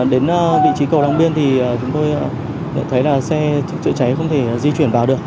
đến vị trí cầu long biên thì chúng tôi nhận thấy là xe chữa cháy không thể di chuyển vào được